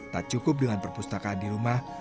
tak cukup dengan perpustakaan di rumah